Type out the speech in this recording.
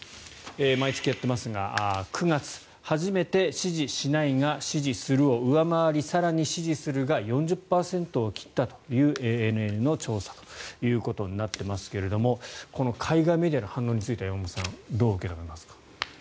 毎月やっていますが９月、初めて支持しないが支持するを上回り更に支持するが４０％を切ったというＡＮＮの調査ということになっていますがこの海外メディアの反応については山本さん、どう受け止めますか？